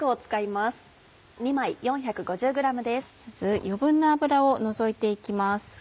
まず余分な脂を除いて行きます。